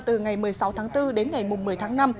từ ngày một mươi sáu tháng bốn đến ngày một mươi tháng năm